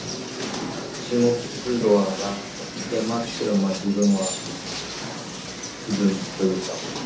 注目度は上がってますけど、自分は自分というか。